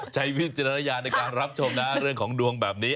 ใจวิทยานยาระการรับชมเรื่องของดวงแบบนี้